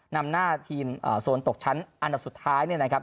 นำหน้าทีมโซนตกชั้นอันดับสุดท้ายเนี่ยนะครับ